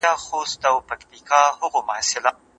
هغه کس چي ډېر لوست کوي ښه تحليل لري.